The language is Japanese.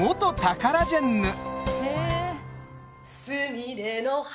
「すみれの花」